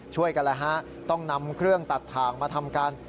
ช่วยกันแล้วฮะต้องนำเครื่องตัดถ่างมาทำการ